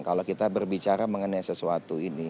kalau kita berbicara mengenai sesuatu ini